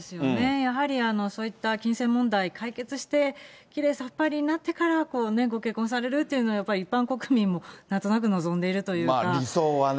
やはりそういった金銭問題、解決して、きれいさっぱりになってから、ご結婚されるというのが、やっぱり一般国民も、理想はね。